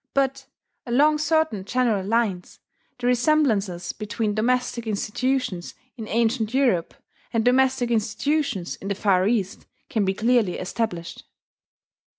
But, along certain general lines, the resemblances between domestic institutions in ancient Europe and domestic institutions in the Far East can be clearly established.